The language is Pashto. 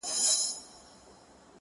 زه دي وینمه لا هغسي نادان یې,